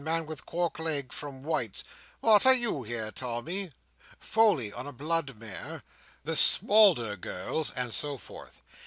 Man with cork leg, from White's. What, are you here, Tommy? Foley on a blood mare. The Smalder girls"—and so forth.